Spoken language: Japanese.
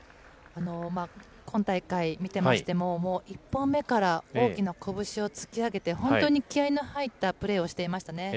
今大会見てましても、もう１本目から大きな拳を突き上げて、本当に気合いの入ったプレーをしていましたね。